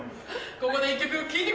ここで１曲聴いてくれ！